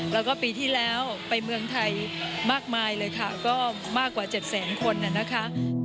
แล้วก็ปีที่แล้วไปเมืองไทยมากมายเลยค่ะก็มากกว่า๗แสนคนนะคะ